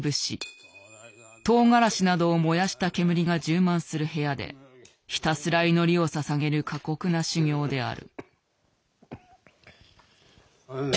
トウガラシなどを燃やした煙が充満する部屋でひたすら祈りをささげる過酷な修行である。